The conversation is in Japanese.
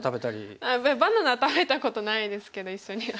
あっバナナは食べたことないですけど一緒には。